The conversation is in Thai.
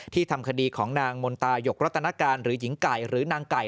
ทำคดีของนางมนตายกรัตนการหรือหญิงไก่หรือนางไก่